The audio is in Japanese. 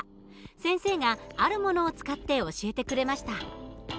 先生があるものを使って教えてくれました。